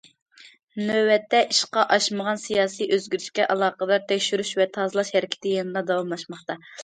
نۆۋەتتە، ئىشقا ئاشمىغان سىياسىي ئۆزگىرىشكە ئالاقىدار تەكشۈرۈش ۋە تازىلاش ھەرىكىتى يەنىلا داۋاملاشماقتا.